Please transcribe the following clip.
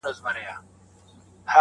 پخپله منځپانګه کي رانغاړي